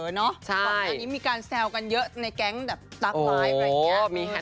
ก่อนหน้านี้มีการแซวกันเยอะในการเลย